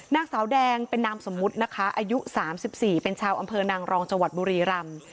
นางสาวแดงเป็นนามสมมุตินะคะอายุ๓๔เป็นชาวอำเภอนางรองจังหวัดบุรีรำ